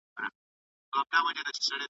پورته به ملاله په رنګین بیرغ کي چیغه کړي .